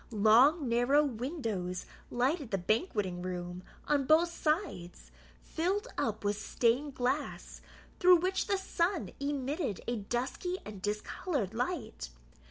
Long narrow windows lighted the banqueting room on both sides, filled up with stained glass, through which the sun emitted a dusky and discoloured light.